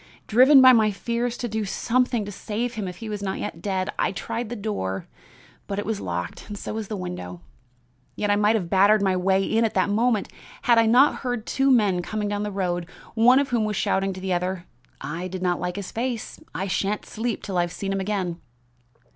Driven by my fears to do something to save him if he was not yet dead, I tried the door, but it was locked; so was the window. Yet I might have battered my way in at that moment had I not heard two men coming down the road, one of whom was shouting to the other: 'I did not like his face. I shan't sleep till I've seen him again.